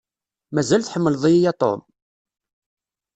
Mazal tḥemmleḍ-iyi a Tom?